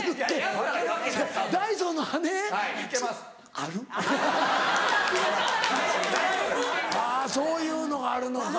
あぁそういうのがあるのか。